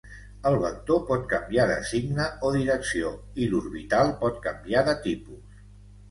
El vector pot canviar de signe o direcció, i l'orbital pot canviar de tipus.